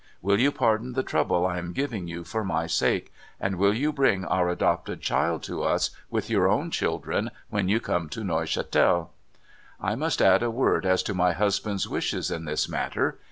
Will you pardon the trouble I am giving you, for my sake ; and will you bring our adopted child to us, with your own children, when you come to Neuchatel ?' I must add a word as to my husband's wishes in this matter.